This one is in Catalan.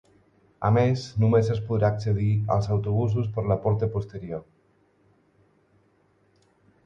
A més, només es podrà accedir als autobusos per la porta posterior.